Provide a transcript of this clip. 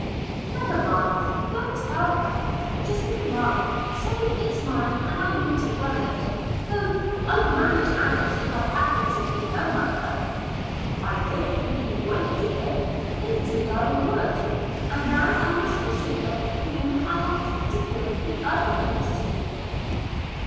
"Never mind. Don't tell her; just be mum. Say, 'it is mine, and I mean to wear it.' Oh, I'd manage Alice if I happened to be her mother." "I don't think you would, dear." "Indeed, but I would. And now I must consider whom I am to give the other things to."